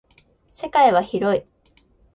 世界は広い。